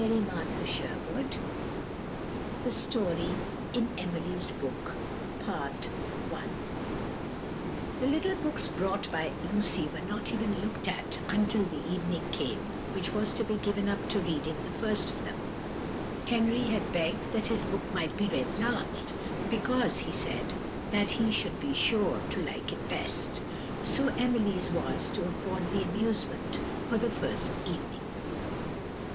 Part I. [Illustration: Lucy and Emily had now each a doll] The little books brought by Lucy were not even looked at until the evening came which was to be given up to reading the first of them. Henry had begged that his book might be read last, because he said that he should be sure to like it best; so Emily's was to afford the amusement for the first evening.